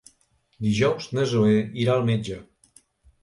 Dijous na Zoè irà al metge.